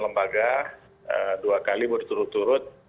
lembaga dua kali berturut turut